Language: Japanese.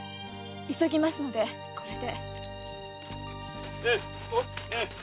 急ぎますんでこれで。